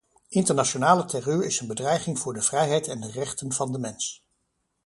Internationale terreur is een bedreiging voor de vrijheid en de rechten van de mens.